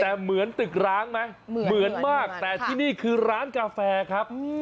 แต่เหมือนตึกร้างไหมเหมือนมากแต่ที่นี่คือร้านกาแฟครับ